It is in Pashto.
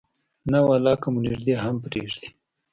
نه ولا که مو نږدې هم پرېږدي.